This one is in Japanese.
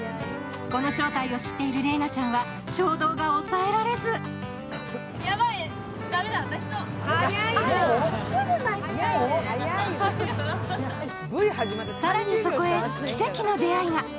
この正体を知っている麗菜ちゃんは衝動が押さえられず更に、そこへ奇跡の出会いが。